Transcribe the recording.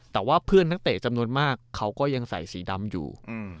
แต่ว่าเพื่อนนักเตะจำนวนมากเขาก็ยังใส่สีดำอยู่